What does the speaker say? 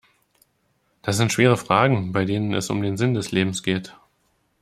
Das sind schwere Fragen, bei denen es um den Sinn des Lebens geht.